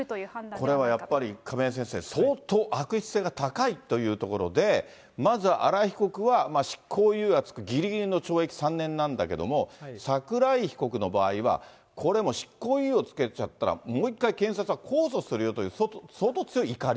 これはやっぱり亀井先生、相当悪質性が高いというところで、まず、新井被告は執行猶予が付くぎりぎりの懲役３年なんだけども、桜井被告の場合は、これもう執行猶予付けちゃったら、もう１回、検察は控訴するよという、相当強い怒り？